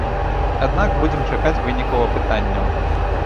Аднак будзем чакаць вынікаў апытанняў.